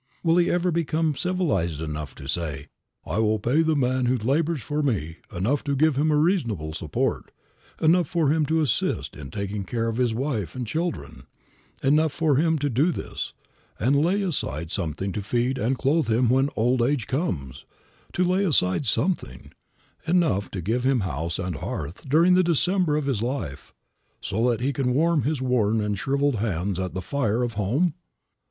Will he ever become civilized enough to say: "I will pay the man who labors for me enough to give him a reasonable support, enough for him to assist in taking care of wife and children, enough for him to do this, and lay aside something to feed and clothe him when old age comes; to lay aside something, enough to give him house and hearth during the December of his life, so that he can warm his worn and shriveled hands at the fire of home"?